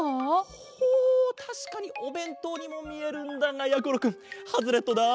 ほうたしかにおべんとうにもみえるんだがやころくんハズレットだ。